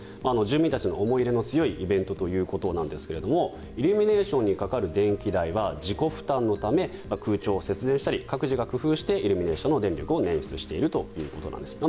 住民たちの思い入れの強いイベントということですがイルミネーションにかかる電気代は自己負担のため空調を節電したり各自が工夫してイルミネーションの電気代を捻出しているということです。